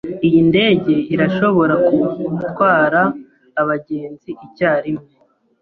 Iyi ndege irashobora gutwara abagenzi icyarimwe.